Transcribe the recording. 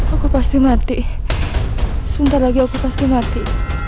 aku pasti mati sebentar lagi aku pasti mati